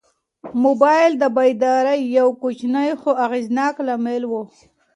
موبایل د بیدارۍ یو کوچنی خو اغېزناک لامل و.